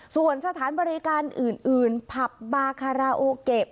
ส่วนสถานบริการอื่นผับบาคาราโอเกะ